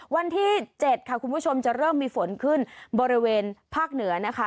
วันที่๗ค่ะคุณผู้ชมจะเริ่มมีฝนขึ้นบริเวณภาคเหนือนะคะ